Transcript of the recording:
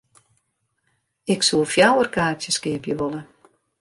Ik soe fjouwer kaartsjes keapje wolle.